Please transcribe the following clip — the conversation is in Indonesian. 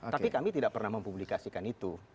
tapi kami tidak pernah mempublikasikan itu